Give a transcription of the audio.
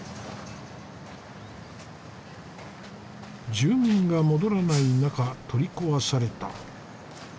住民が戻らない中取り壊された。